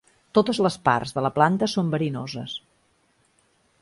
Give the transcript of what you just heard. Totes les parts de la planta són verinoses.